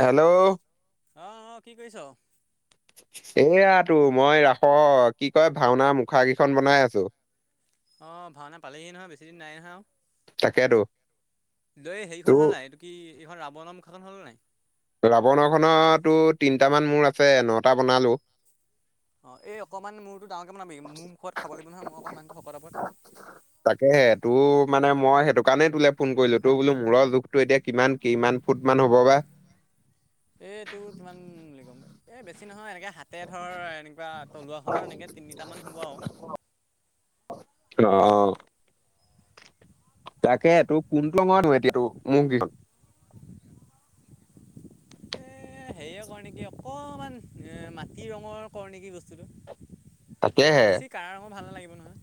Hello. অ', অ', কি কৰিছ? এয়াতো মই ৰাখ, কি কয় ভাওনা মুখা কেইখন বনাই আছো। অ', ভাওনা পালেহি নহয়, বেছি দিন নাই নহয় আৰু। তাকেতো দই হেৰিখন হ'ল তোৰ নাই এই কি, এইখন ৰাৱনৰ মুখাখন হ'ল নাই? ৰাৱণৰখনতো তিনটামান মূৰ আছে, নটা বনালোঁ। অ', এই অকমান মোৰটো ডাঙৰকে বনাবি মোৰ মুখত খাব লাগিব নহয়, মই অকমান মানুহটো শকত আপত। তাকেহে তোৰ মানে মই সেইটো কাৰণেই তোলে ফোন কৰিলো, তোৰ বোলো মূৰৰ জোখটো এতিয়া কিমান কিমান ফুট মান হ'ব বা? এ টোৰ কিমান বুলি কম, এ বেছি নহয় এনেকে হাত তাতে ধৰ এনেকুৱা, তলুৱাখনৰ এনেকে তিনিটামান হ'ব আৰু। অ', অ'। তাকে তোৰ কোনটো [unintelligible] মোক [inaudible] এ হেৰিয়ে কৰ নেকি, অকমান এ মাটি ৰঙৰ কৰ নেকি বস্তুটো? তাকেহে। কাৰ ৰং ভাল নালাগিব নহয়।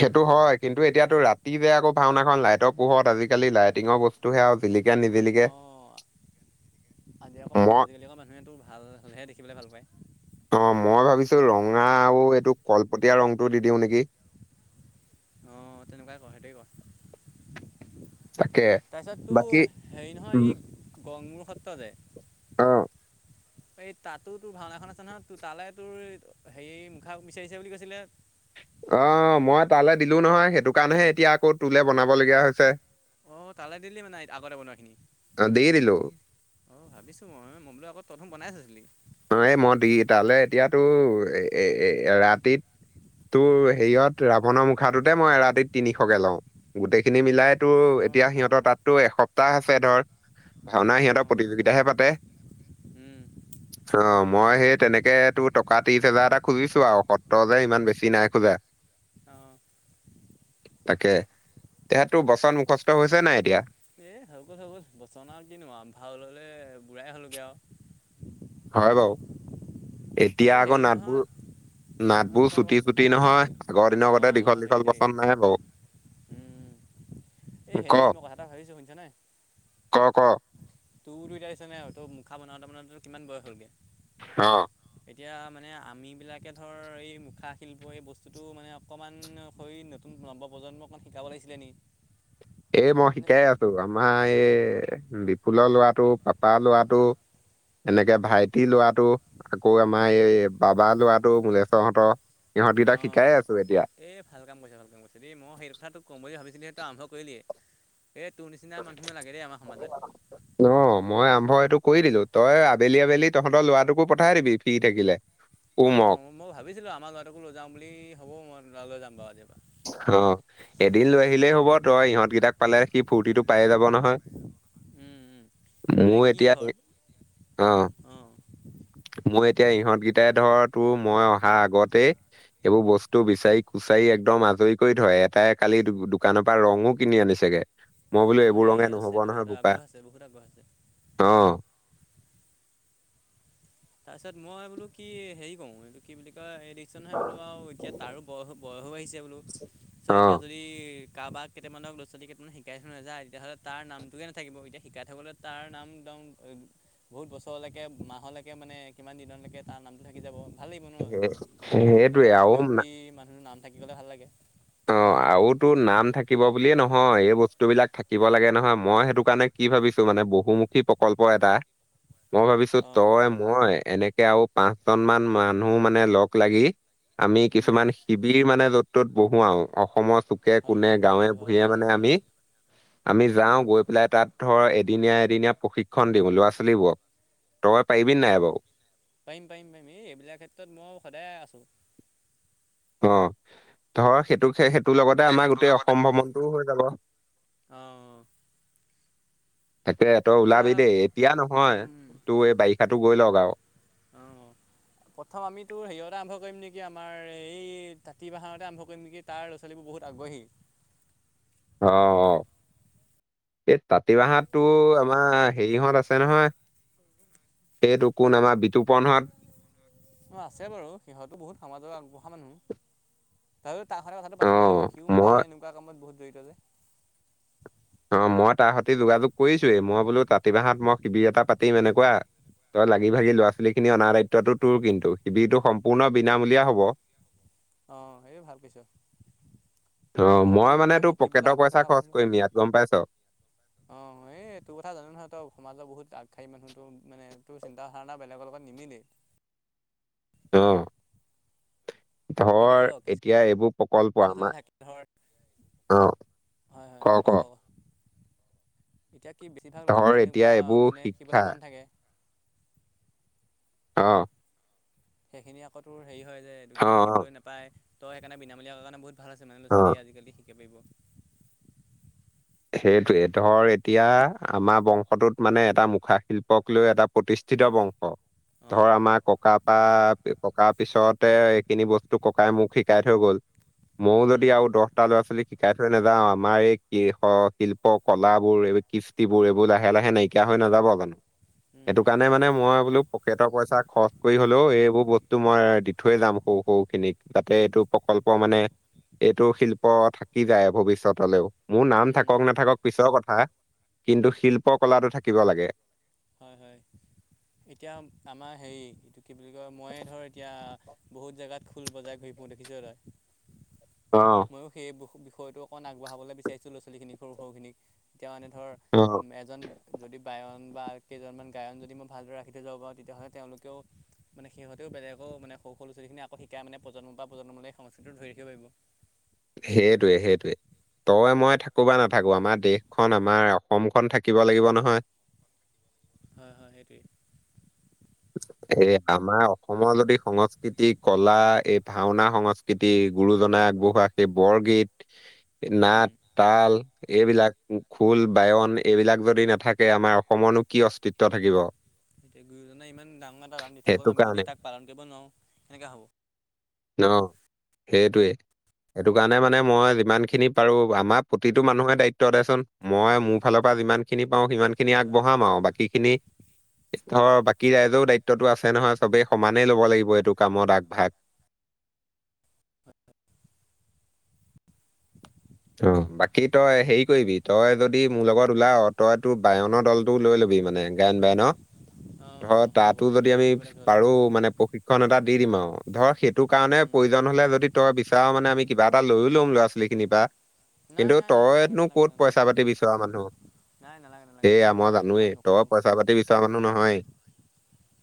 সেইটো হয়। কিন্তু এতিয়াতো ৰাতি যে আকৌ ভাওনাখন, লাইটৰ পোহত আজিকালি লাইটিঙৰ বস্তু তো সেয়া বিলিকে নি অঁ আজিকৌ মানুহ মই আজিকালি আকৌ মানুহেতো ভাল হ'লেহে দেখিবলৈ ভাল পায়। অ মই ভাবিছো ৰঙা আৰু সেইটো কলপতীয়া ৰংটো দি দিওঁ নেকি। অ তেনেকুৱাই কৰ সেইটে ক তাকে তাৰপিছত বাকী তোৰ হেৰি নহয় উম, ই গংমুৰ সত্ৰ যে অ। এই তাতো তোৰ ভাওনা এখন আছে নহয়, তোৰ তালৈ তোৰ হেৰি মুখা বিচাৰিছে বুলি কৈছিলে। অ মই তালৈ দিলো নহয়, সেইটো কাৰণেহে এতিয়া আকৌ তোে বনাবলগীয়া হৈছে। অ তালৈ দিলি মানে আগতে বনোৱা খিনি। অ, দি দিলো অ ভাবিছোঁ মই, মই বুলো আকৌ তই দুখুন বনাই থৈছিলি। অ এই মই দি তালৈ এতিয়াতো এ-এ-এ ৰাতিত তোৰ হেৰিয়ত ৰাৱণৰ মুখাটোতে মই এ ৰাতিত তিনিশকে লওঁ, গোটেইখিনি মিলাই তো এতিয়া অঁ সিহঁতৰ তাতো এসপ্তাহ আছে ধৰ, ভাওনা সিহঁতৰ প্ৰতিযোগিতাহে পাতে। উম। অ মই সেই তেনেকে তোৰ টকা ত্ৰিশ হোজাৰ এটা খুজিছো আৰু, সত্ৰ যে ইমান বেছি নাই খোজা। অ। তাকে। তেহেততো বচন মুখস্থ হৈছে নাই এতিয়া? এ হৈ গ'ল হৈ গ'ল বচনা আৰু কিনো আৰু ভাললে বুঢ়াই হ'লগে আৰু। হয় বাৰু, এতিয়া তাৰপিছত আকৌ হেৰি নহয় নাটবোৰ অঁ নাটবোৰ ক অঁ চুটি চুটি নহয়, আগৰ দিনৰ গতে অঁ দীঘল দীঘল সেইটোৱেই পচন্দ নাই বাৰু। [unintelligible] এই ক হেৰি মই কথা এটা ভাবিছোঁ শুনিছানে? ক ক তোৰটো এতিয়া হিচাপ নাই আৰু তোৰ মুখা বনাওঁতে বনাওঁতে কিমান বয়স হ'লগে। অ। এতিয়া মানে আমিবিলাকে ধৰ এই মুখা শিল্প এই বস্তুটো মানে অকণমান শ নতুন নৱ-প্ৰজন্মক অকমান শিকাব লাগিছিলে নেকি? এই মই নে শিকাই আছো, আমাৰ এই বিপুলৰ ল'ৰাটো পাপাৰ ল'ৰাটো, এনেকে ভাইটি ল'ৰাটো আকৌ আমাৰ এই বাবা লৰাটো মলেশ্বৰ হহঁতৰ, সিহঁতকেইটাক অঁ শিকাই আছো এতিয়া। এই ভাল কাম কৰিছা ভাল কাম কৰিছা দেই, মই সেই কথাটো ক'ম বুলি ভাবিছিলোঁ সেইটো আৰম্ভ কৰিলিয়ে। এই তোৰৰ নিচিনা মানুহো লাগে দেই আমাৰ সমাজত। অ মই আৰম্ভ এইটো কৰি দিলো, তই আবেলি আবেলি তহঁতৰ ল'ৰাটোকো পঠাই দিবি ফ্ৰী থাকিলে। অ উমক মই ভাবিছিলোঁ আমাৰ ল'ৰাটোকো লৈ যাাম বুলি, হ'ব মই ল'ৰা লৈ যাম বাৰু আজিৰপাৰা। অ এদিন লৈ আহিলেই হ'ব। তই ইহঁতকেইটাক পালে সি ফূৰ্তিটো পায়ে যাব নহয়। উম, উম। মোৰ এতিয়া অ। অ। মই এতিয়া ইহঁতকেইটাই ধৰ তোৰ মই অহা আগতেই এইবোৰ বস্তু বিচাৰি-কুচাৰি একদম আজৰি কৰি থয়, এটাই কালি দোকানৰ পৰা ৰঙো কিনি আনিছেগে। মই বোলো অঁ এইবোৰ এই ৰঙে নহব আছেতো নহয় সিহঁতৰ বোপা আগ্ৰহ আছে বহুত আগ্ৰহ আছে অ। তাৰপিছত মই বোলো কি হেৰি কৰো এইটো কি বুলি কয় এই নহয় বোলো আৰু এতিয়া তাৰো বয়স বয়সো আহিছে বোলো। চ' অ এতিয়া যদি যদি কাৰোব কেইটামানক ল'ৰা-ছোৱালী কটান শিকাই থাক নাযায় তেতিয়াহ'লে তাৰ নামটোৱে নাথাকিব। এতিয়া শিকাই থ'বলৈ তাৰ নাম একদম বহুত বছৰলৈকে মাহলৈ মানে কিমান দিনলৈকে তাৰ নামটো থাকি যাব। ভাল লাগিব সেই- ন, এনেকুৱা সেইটোৱে এজন আৰু না- ব্যক্তি মানুহৰ নাম থাকিব গ'লে ভাল লাগে। অ আৰু তো নাম থাকিব বুলিয়ে নহয়, এই বস্তু বিলাক থাকিব লাগে নহয়। মই সেইটো কাৰণে কি ভাবিছো মানে বহুমুখী প্ৰকল্প এটা মই ভাবিছো অঁ তই মই এনেকে আৰু পাঁচজন মান মানুহ মানে লগ লাগি। আমি উম কিছুমান শিবিৰ মানে য'ত ত'ত বহুৱাওঁ অসমৰ চুক চুকে হয় কোনে ভাল গাঁৱে লাগিব অঁ ভূঞেঁ ভাল হ'ব মানে ভাল আমি, আমি যাওঁ গৈ লাই তাত ধৰ এদিনীয়া এদিনীয়া প্ৰশিক্ষণ দিওঁ ল'ৰা ছোৱালীবোৰক। তই পাৰিবি নাই বাৰু? পাইম পাইম পাইম। এই এইবিলাক ক্ষেত্ৰত মই সদায় আছোঁ। অ', ধৰ সেইটো সেই সেইটো লগতে সেই আমাৰ সেইটোৰ গোটেই অসম ভ্ৰমণটোও হৈ যাব। অ', অ'। তাকে তই ওলাবি এতিয়া দেই এতিয়া নহয়। উম, তোৰ এই বাৰিষাতো গৈ লক আৰু। অ', অ'। প্ৰথম আমিতো হেৰিয়তে আৰম্ভ কৰিম নেকি আমাৰ এই তাঁতিবাঁহাৰতে আৰম্ভ কৰিম নেকি? তাৰ ল' ছালীবোৰ বহুত আগ্ৰহী। অ', অ'। এই তাঁতিবাঁহাৰত তো আমাৰ হেৰিহঁত আছে নহয় এইটো কোন আমাৰ বিতুপন হঁত। অ', আছে বাৰু। সিহঁতো বহুত সমাজৰ আগবঢ়া মানুহ। তথাপিও তাৰ স'তে কথাটো পাতিব লাগিব অ', সিওঁ মানে মই এনেকুৱা কামত বহুত জড়িত যে। অ', মই তাৰ স'তি যোগাযোগ কৰিছোঁৱে মই বোলোঁ তাঁতিবাঁহাৰত মই শিবিৰ এটা পাতিম এনেকুৱা। তই লাগি ভাগি ল'ৰা ছোৱালী খিনি অনাৰ দায়িত্বটো তোৰ কিন্তু। শিবিৰটো সম্পূৰ্ণ বিনামূলীয়া হ'ব। অ', এই ভাল কৈছ। মানে অ', সকলো মই মানে ধৰ তোৰ শিকিবলৈ পকেটৰ আগ্ৰহ পইচা থকা খৰচ মানুহ কৰিম ইয়াত গম পাইছ। অ', এই তোৰ কথা জানোঁ নহয়, তই সমাজৰ বহুত আগশাৰী মানুহটো মানে তোৰ চিন্তা ধাৰণা বেলেগৰ লগত নিমিলেই। অ'। এতিয়া ধৰ ৰ কিছুমান এতিয়া এইবোৰ প্ৰকল্প ল'ৰা ছোৱালী আমা থাকে ধৰ হয় হয়, কওঁ কওঁ। এতিয়া কি বেছিভাগ ল'ৰা ছোৱালী ধৰ থাক এতিয়া তেনেকুৱা এইবোৰ মানে শিক্ষা শিকিবলে মন থাকে। অ'। সেইখিনি আকৌ তোৰ হেৰি হয় যে এইটো কি অ', শিকিবলৈ নাপায় তই সেইকাৰণে বিনামূলীয়া ক' কাৰণে বহুত ভাল আছে মানে অ', অ'। ল'-ছালীয়ে আজিকালি শিকিব পাৰিব। সেইটোৱে ধৰ এতিয়া আমাৰ বংশটোত মানে এটা মুখা শিল্পক লৈ এটা প্ৰতিষ্ঠিত বংশ। ধৰ আমাৰ অঁ ককা পা, প ককা পিছ তে এইখিনি বস্তু ককাই মোক শিকাই থৈ গ'ল। ময়ো উম যদি আৰু দহটা ল'ৰা ছোৱালীক শিকাই থৈ নাযাওঁ আমাৰ এই কি অ', শিল্প কলাবোৰ এইবো কৃষ্টিবোৰ এইবোৰ লাহে লাহে নাইকিয়া হৈ নাযাব জানোঁ? উম সেইটো কাৰণে নাইকিয়া হৈ মানে যাবতো মই বোলোঁ পকেটৰ পইচা খৰচ কৰি হ'লেও এইবোৰ বস্তু মই দি থৈয়ে যাম সৰু সৰু খিনিক। তাতে এইটো প্ৰকল্প মানে এইটো শিল্প থাকি যায় ভৱিষ্যতলেও। মোৰ নাম উম উম থাকক পিছৰ কথা। কিন্তু শিল্প কলাটো থাকিব লাগে। হয় হয়। এতিয়া আমাৰ হেৰি এইটো কি বুলি কয় ময়ে ধৰ এতিয়া বহুত জেগাত খোল বজাই ঘূৰি ফু উ দেখিছ তই। অ'। ময়ো সেই বুষ বিষয়টো অকণ আগবঢ়াবলে বিচাৰিছোঁ ল' ছালীখিনিক সৰু সৰুখিনিক। তিয়া মানে ধৰ উ, অ'। এজন যদি বায়ন বা কেইজনমান গায়ন যদি মই ভালদৰে ৰাখি থৈ যাব পাৰোঁ তেতিয়াহ'লে তেওঁলোকেও মানে সিহঁতেও বেলেগক মানে সৰু সৰু ল' ছালী খিনি আকৌ শিকাই মানে প্ৰজন্ম পা প্ৰজন্মলে সংস্কৃতিটো ধৰি ৰাখিব পাৰিব। সেইটোৱে সেইটোৱে। তই মই থাকোঁ বা নাথাকোঁ আমাৰ দেশখন আমাৰ অসমখন থাকিব লাগিব নহয়। হয় হয় সেইটোৱে। এই আমাৰ অসমৰ যদি সংস্কৃতি কলা এই ভাওঁনা সংস কিতি গুৰুজনাই আগবঢ়োৱা সেই বৰগীত, এ উম নাট, তাল এইবিলাক ও খোল বায়ন এইবিলাক যদি নাথাকে আমাৰ অসমৰ নো কি অস্তিত্ব থাকিব। এতিয়া গুৰুজনে ইমান ডাঙৰ এটা দান দি থৈ গ'ল সেইটো আমি কাৰণে যদি তাক পালন কৰিব নোৱাৰোঁ, কেনেকে হ'ব? ন, সেইটোৱে। সেইটো কাৰণে মানে মই যিমান খিনি পাৰোঁ আমাৰ প্ৰতিটো মানুহৰ দায়িত্ব দেচোন মই মোৰ ফালৰ পৰা যিমান। খিনি পাওঁ সিমান খিনি হয় হয় আগবঢ়াম আৰু বাকি খিনি। [unintelligible] কি ৰাইজেও দায়িত্বটো আছে নহয় চবেই সমানেই ল'ব লাগিব এইটো কামত আগভাগ। অ বাকী তই হেৰি কৰিবি তই যদি মোৰ লগত উলাও। তই তোৰ বায়নৰ দলটো লৈ ল'বি মানে গায়ন বায়নৰ। হয় অঁ হ'ব তাতো বাৰু সেই যদি আমি তেনেকুৱা কিবা এটা হ'ল পাৰোঁ। [unintelligible] মানে প্ৰশিক্ষণ এটা দি দিম আৰু ধৰ সেইটো কাৰণে উম প্ৰয়োজন হলে যদি। তই বিচাৰোঁ মানে আমি কিবা এটা লৈও লম ল'ৰা-ছোৱালী খিনি পৰা। নাই কিন্তু নাই নাই নালাগে তইনো নালাগে ক'ত নালাগে পইচা পাতি বিচৰা মানুহ। নাই নালাগে নালাগে সেয়া এই মই সেইটো কাম জানোৱেই তই নকৰোঁ পইচা পাতি বিচৰা মানুহ নহয়।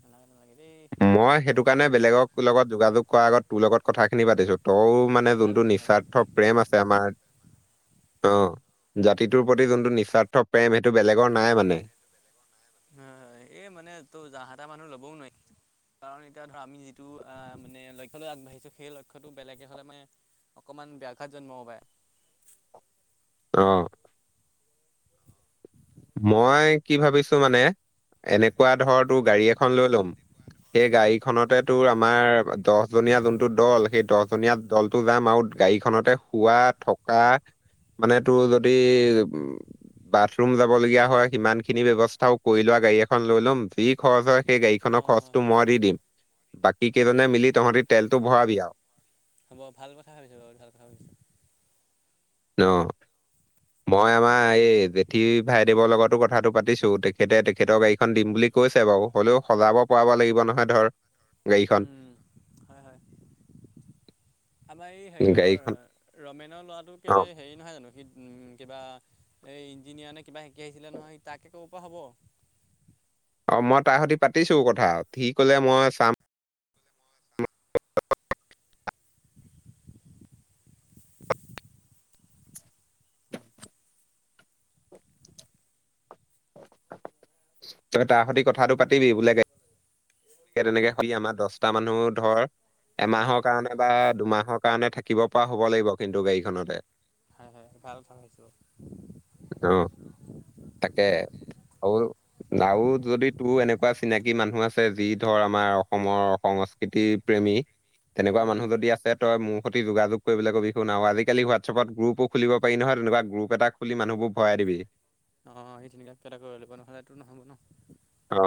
নালাগে নালাগে দেই। মই সেইটো হয় কাৰণে বেলেগৰ লগত যোগাযোগ কৰাৰ আগত তোৰ লগত কথাখিনি পাতিছোঁ। তোৰ হয় মানে ভাল যোনটো কৈছে ভাল কৈছে নিস্বাৰ্থ দেই প্ৰেম আছে আমাৰ। অ জাতিটোৰ প্ৰতি যোনটো নিস্বাৰ্থ প্ৰেম সেইটো বেলেগৰ নাই মানে। হয় এই মানে তোৰ যাহাতাহ মানুহ ল'বও নোৱাৰি। কাৰণ এতিয়া ধৰ আমি যিটো আহ মানে লক্ষ্য লৈ আগবাঢ়িছো সেই লক্ষ্যটো বেলেগে হ'লে মানে। অকমান ব্যাঘাত জন্মাব পাৰে। অ। মই কি ভাবিছো মানে এনেকুৱা ধৰ তোৰ গাড়ী এখন লৈ ল'ম। সেই গাড়ীখনতে তোৰ আমাৰ দহজনীয়া যোনটো দল সেই দহজনীয়া। দলটো যাম আৰু গাড়ীখনতে শুৱা থকা। মানে তোৰ যদি [unintelligible] বাথৰুম যাব লগীয়া হয় সিমান খিনি ব্যৱস্থাও কৰি লোৱা গাড়ী এখন লৈ লম যি খৰচ হয়। সেই গাড়ীখনৰ অঁ হয় খৰচটো হয় মই দি দিম বাকী কেইজনে উম মিলি তহঁতি তেলটো ভৰাবি আৰু। হ'ব ভাল কথা ভাবিছো [unintelligible] [unintelligible] মই আমাৰ এই বেঠি ভাইদেৱৰ লগতো কথ কথাটো পাতিছো তেখেতে তেখেতৰ গাড়ীখন দিম বুলি কৈছে বাৰু হ'লেও সজাব পৰাব লাগিব নহয় ধৰ। গাড়ীখন উম হয় হয়। আমাৰ এই গাড়ীখন হেৰিয়ৰ ৰমেনৰ ল'ৰাটো কেলে অঁ হেৰি। নহয় জানো সি কিবা এই ইঞ্জিনিয়াৰ নে কিবা শিকি আহিছিলে নহয় তাকে ক'ব পৰা হ'ব। অ মই তাৰ সৈতে পাতিছো কথা সি ক'লে মই চাম। [inaudible] [inaudible] তই তাৰ সৈতি কথাটো পাতিবি বোলে গা [unintelligible] তেনেকে [unintelligible] আমাৰ দহটা মানুহ ধৰ অঁ এমাহৰ কাৰণে। বা দুমাহৰ কাৰণে থাকিব পৰা হব লাগিব কিন্তু গাড়ীখনতে। হয় হয় ভাল ভাল। [unintelligible] অ। তাকে আৰু নাও যদি তোৰ এনেকুৱা চিনাকি মানুহ আছে যি। ধৰ আমাৰ অসমৰ সংস্কৃতি প্ৰেমী তেনেকুৱা উম মানুহ যদি আছে। তই মোৰ সৈতে যোগাযোগ কৰিবলৈ কবি আৰু আজিকালি হোৱাটছএপত গ্ৰুপো খুলিব পাৰি নহয় তেনেকুৱা গ্ৰুপ এটা। খুলি মানুহবোৰ ভৰাই দিবি [unintelligible] অ।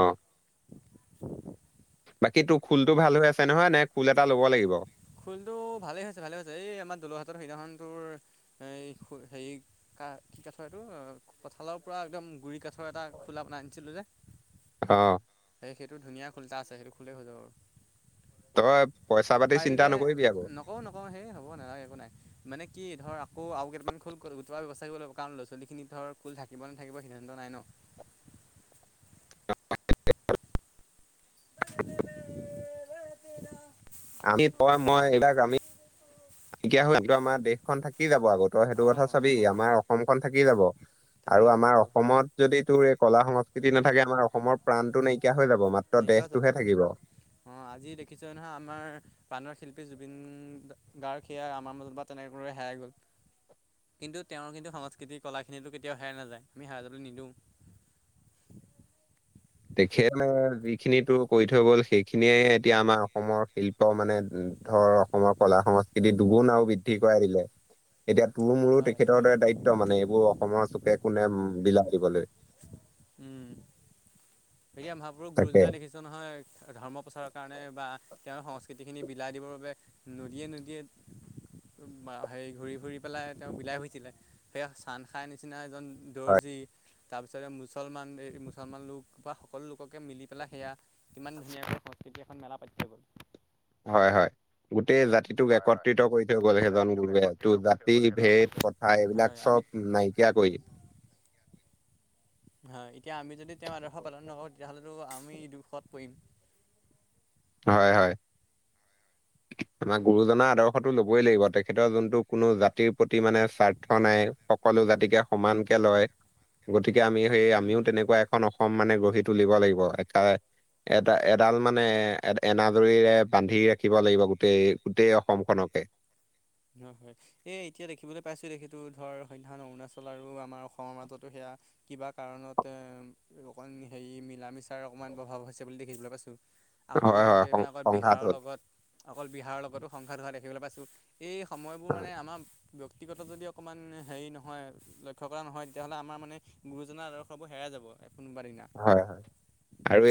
বাকী তোৰ খুলটো ভাল হৈ আছে নহয় নে খুল এটা ল'ব লাগিব। খুলটো ভালে হৈছে ভালে হৈছে এই আমাৰ [unintelligible] সেইদিনাখন তোৰ এই হেৰি। হা কি কাঠৰ এইটো কঁঠালৰ পৰা একদম গুৰি কাঠৰ এটা খোলা বনাই আনিছিলোঁ যে। অ। সেই সেইটো ধুনীয়া খোলটা আছে সেইটো খুলেই হৈ যাব আৰু। তই পইচা পাতি চিন্তা নকৰিবি আকৌ। আকৌ নকওঁ, সেই হ'ব নালাগে একো নাই। মানে কি ধৰ আকৌ আৰু কেইটান খোল গোটোৱা ব্যৱস্থা কৰিব লাগিব, কাৰণ ল'ৰা-ছোৱালীখিনি ধৰ খুল থাকিব, নাথাকিব সিদ্ধান্ত নাই নহ। [unintelligible] [unintelligible] আমি তই মই এইবিলাক আমি [unintelligible] নাইকিয়া হয় [unintelligible] আমাৰ দেশখন থাকি যাব আগত। তই সেইটো কথা অঁ চাবি, থাকি যাব আমাৰ অসমখন থাকি যাব, থাকি আৰু যাব থাকি আমাৰ যাব অসমত যদি তোৰ এই কলা সংস্কৃতি নাথাকে আমাৰ অসমৰ প্ৰাণতশটো নাইকিয়া হৈ যাব, মাত্ৰ দেশটোহে থাকিব। অ', আজি দেখিছোঁ নহয় আমাৰ প্ৰাণৰ শিল্পী জুবিন গাৰ্গ, সেয়ী আমাৰ মাজত তেনে [unintelligible] হেৰাই গ'ল। [inaudible] কিন্তু তেওঁৰ কিন্তু সংস্কৃতি কলখিনিতো কেতিয়াও হেৰাই নাযায়, আমি হেৰাই যোৱাতো নিদিওঁ। তেখেত, যিখিনিতো কৰি থৈ গ'ল সেইখিনিয়ে এতিয়া আমাৰ অসমৰ শিল্প মানে ধৰ অসমৰ কলা সংস্কৃতি দুগুণ আৰু বৃদ্ধি কৰাই দিলে। এতিয়া তোৰ উম মোৰো হয় তেখেতৰ দৰে সেইটোৱে দায়িত্ব, মানে এইবোৰ অসমৰ চুকে কোনে বিলাই দিবলৈ উম, এতিয়া মহাপুৰুষ তাকে। গুৰুজনাই লেখিছে। নহয় ধৰ্ম প্ৰচাৰৰ কাৰণে বা তেওঁৰ সংস্কৃতিখিনি বিলাই দিবৰ বাবে নদীয়ে, নদীয়ে হেৰি ঘূৰি ফুৰি পেলাই তেওঁ বিলাই হুইছিলে, সেইয়া চান খাই নিচিনা এজন দৰ্জি, তাৰপিছতে মুছলমান এই মুছলমান লোক বা সকলো লোককে মিলি পেলাই সেয়া কিমান ধুনীয়াকৈ সংস্কৃতি এখন মেলা পাতি থৈ গ'ল। হয়, হয়, গোটেই জাতি সেইটোক হয় হয় একত্ৰিত কৰি থৈ গোটেই গ'ল সেইজন জাতিটোক গুৰুৱে, একত্ৰিত তোৰ কৰি থৈ জাতি গ'ল সেইজন ভেদ লোকে। কথা এইবিলাক হয় আমি চব নাইকিয়া কৰি হয়, এতিয়া আমি যদি তেওঁৰ আদৰ্শ পালন নকৰোঁ তেতিয়াহ'লেতো আমি দুখত পৰিম। হয়, হয়। আমাৰ গুৰুজনাৰ আদৰ্শতো ল'বই লাগিব, তেখেতৰ যোনটো কোনো জাতিৰ প্ৰতি মানে স্বাৰ্থ নাই সকলো জাতিকে সমানকে লয়, গতিকে আমি সেই পৰিম। আমিও তেনেকুৱা এখন অসম মানে গঢ়ি তুলিব লাগিব, এটা-এটা এডাল মানে এনা-এনাজৰীৰে বান্ধি ৰাখিব লাগিব গোটেই গোটেই অসমখনকে। [unintelligible] এ এতিয়া দেখিবলৈ পাইছো, তেখেতো ধৰ সন্ধ্যান অৰুণাচল আৰু আমাৰ অসমৰ মাজতো সেয়া কিবা কাৰণতে, অকণ হেৰি মিলা মিছাৰ অকণমান প্ৰভাৱ হৈছে বুলি দেখিবলৈ পাইছো। আকৌ হয়, ধৰক, হয়। কেই সং [unintelligible] আকৌ সংঘাত বিহাৰৰ হ'ল। লগত অকল বিহাৰৰ লগতো সংসাত হোৱা দেখিবলৈ পাইছোঁ, এই সময়বোৰ মানে আমাৰ ব্যক্তিগত যদি অকণমান হেৰি নহয় লক্ষ্য কৰা নহয়, তেতিয়াহ'লে আমাৰ মানে গুৰুজনাৰ আদৰ্শবোৰ হেৰাই যাব। এ কোনোবা দিনা। হয়, হয়, আৰু এই